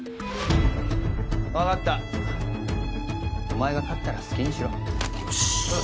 分かったお前が勝ったら好きにしろよし！